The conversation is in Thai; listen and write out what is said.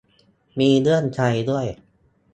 มีเรื่องไทยด้วย